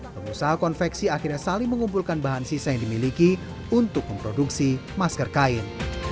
pengusaha konveksi akhirnya saling mengumpulkan bahan sisa yang dimiliki untuk memproduksi masker kain